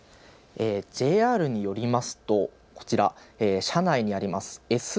ＪＲによりますと、こちら、車内にあります